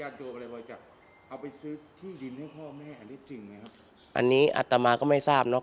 บริจาคเอาไปซื้อที่ดินให้พ่อแม่อันนี้จริงนะครับอันนี้อัตมาก็ไม่ทราบเนอ